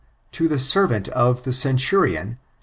To the servant of the centurion.